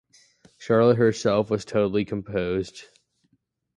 Charlotte herself was tolerably composed.